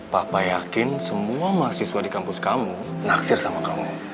papa yakin semua mahasiswa di kampus kamu naksir sama kamu